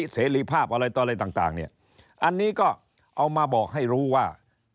เสรีภาพอะไรต่ออะไรต่างเนี่ยอันนี้ก็เอามาบอกให้รู้ว่า